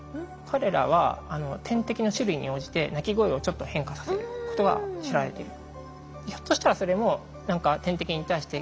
彼らは天敵の種類に応じて鳴き声をちょっと変化させることが知られている。